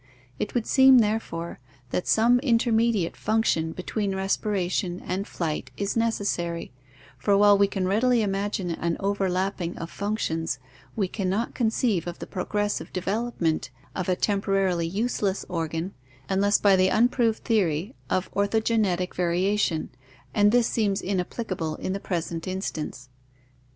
It would seem, therefore, that some intermediate function between respiration and flight is necessary, for while we can readily imagine an overlapping of functions we cannot con ceive of the progressive development of a temporarily useless organ unless by the unproved theory of orthogenetic variation, and this seems inapplicable in the present instance.